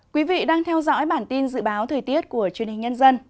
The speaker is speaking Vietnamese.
quý vị đang theo dõi bản tin dự báo thời tiết của truyền hình nhân dân